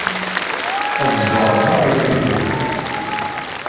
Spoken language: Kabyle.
Ad ẓebreɣ merra yir tilufa.